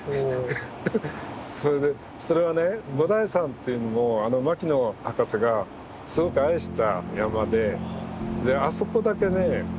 それはね五台山っていうのも牧野博士がすごく愛した山であそこだけね